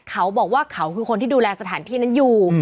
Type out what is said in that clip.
เขาบอกว่าเขาคือคนที่ดูแลสถานที่นั้นอยู่